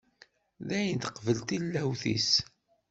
Dayen teqbel tillawt-is.